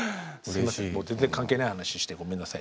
全然関係ない話してごめんなさい。